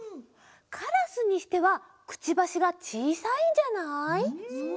カラスにしてはくちばしがちいさいんじゃない？ん